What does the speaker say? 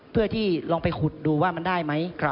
เพื่อที่ลองไปขุดดูว่ามันได้ไหม